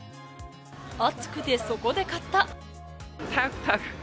暑くてそこで買った。